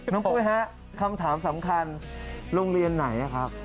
น้องพุยฮะคำถามสำคัญโรงเรียนไหนนั้นครับ